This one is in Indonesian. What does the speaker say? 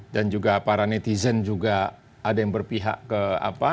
dan juga para netizen juga ada yang berpihak ke apa